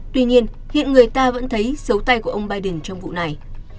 tuy nhiên hiện người ta vẫn thấy dấu tay của ông biden trong vụ này